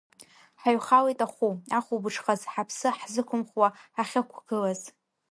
Ҳаҩхалеит ахәы, ахәылбыҽхаз ҳаԥсы ҳзықәымхуа ҳахьықәгылаз.